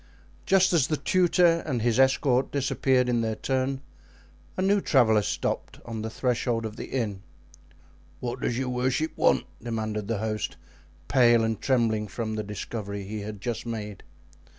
Just as the tutor and his escort disappeared in their turn, a new traveler stopped on the threshold of the inn. "What does your worship want?" demanded the host, pale and trembling from the discovery he had just made.